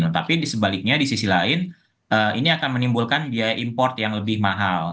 tapi di sebaliknya di sisi lain ini akan menimbulkan biaya import yang lebih mahal